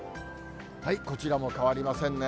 こちらも変わりませんね。